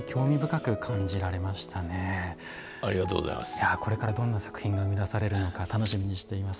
いやこれからどんな作品が生み出されるのか楽しみにしています。